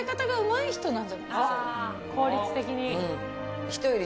効率的に。